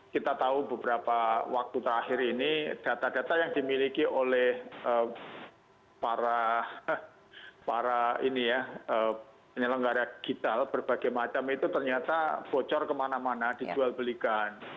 kita tahu beberapa waktu terakhir ini data data yang dimiliki oleh para penyelenggara digital berbagai macam itu ternyata bocor kemana mana dijual belikan